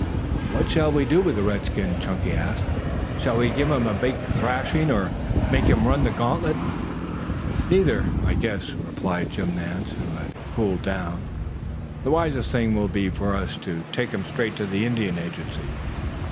"What shall we do with this redskin?" Chunky asked. "Shall we give him a big thrashing, or make him run the gauntlet?" "Neither, I guess," replied Jim Nance, who had cooled down. "The wisest thing will be for us to take him straight to the Indian Agency.